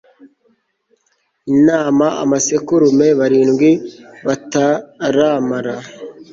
intama amasekurume barindwi bataramara